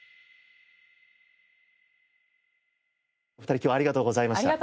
２人今日はありがとうございました。